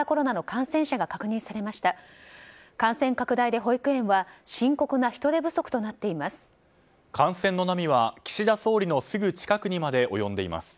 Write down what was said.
感染拡大で保育園は深刻な人手不足となっています。